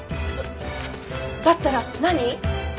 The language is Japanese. だったら何？